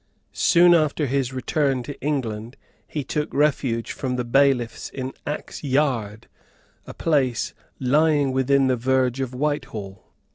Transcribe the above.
Soon after his return to England he took refuge from the bailiffs in Axe Yard, a place lying within the verge of Whitehall.